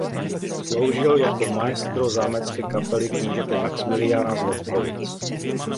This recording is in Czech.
Sloužil jako maestro zámecké kapely knížete Maxmiliána z Lobkovic.